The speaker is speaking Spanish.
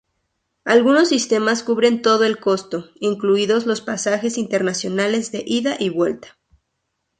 Algunos sistemas cubren todo el costo, incluidos los pasajes internacionales de ida y vuelta.